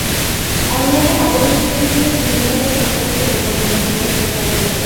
অনলাইনে আবেদন করতে গিয়ে শূন্যপদের সংখ্যা দেখে বোকা বনে যান শিক্ষক প্রার্থীরা।